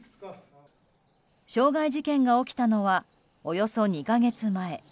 傷害事件が起きたのはおよそ２か月前。